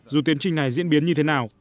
dù tiến trình này diễn biến như thế nào